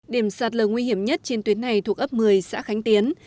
điểm sạt lờ nguy hiểm nhất trên tuyến này thuộc ấp một mươi xã khánh tiến